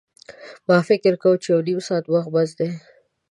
ما فکر کاوه یو نیم ساعت وخت بس دی.